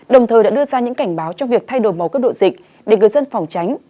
đồng thời đã đưa ra những cảnh báo cho việc thay đổi màu cấp độ dịch để người dân phòng tránh